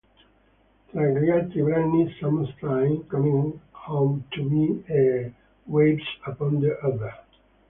Tra gli altri brani, "Sometimes", "Coming Home to Me" e "Waves Upon the Ether".